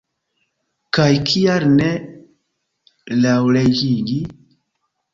Kaj kial ne laŭleĝigi?